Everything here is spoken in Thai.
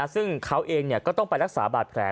ซึ่งเขาเองก็ต้องไปรักษาบาดแผล